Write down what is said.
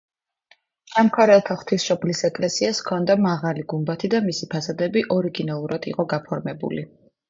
შამქორელთა ღვთისმშობლის ეკლესიას ჰქონდა მაღალი გუმბათი და მისი ფასადები ორიგინალურად იყო გაფორმებული.